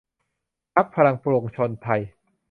พรรคพลังปวงชนไทย